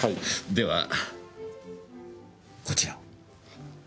ではこちらを。